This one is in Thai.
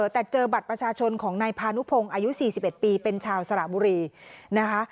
แต่เจอบัตรประชาชนของนายพานุพงศ์อายุ๔๑ปีเป็นชาวสระบุรีนะคะ